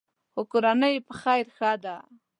خو کورنۍ یې په خیر ښه ده.